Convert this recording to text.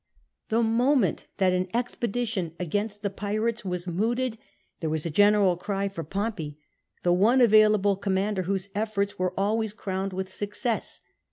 The moment that an ex pedition against the pirates was mooted, there was a general cry for Pompey, the one available commander whose efforts were always crowned with success.